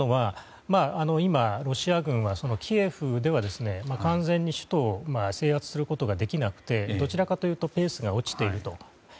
今ロシア軍はキエフでは、完全に首都を制圧することができなくてどちらかというとペースが落ちていると。